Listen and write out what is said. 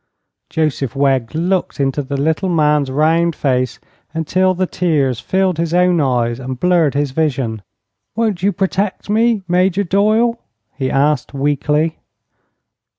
Joseph Wegg looked into the little man's round face until the tears filled his own eyes and blurred his vision. "Won't you protect me, Major Doyle?" he asked, weakly.